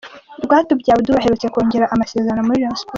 Rwatubyaye Abdul aherutse kongera amasezerano muri Rayon Sports .